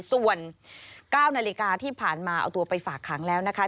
ส่วน๙นาฬิกาที่ผ่านมาเอาตัวไปฝากขังแล้วนะคะ